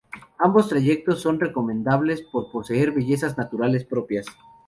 Ambos trayectos son recomendables por poseer bellezas naturales propias.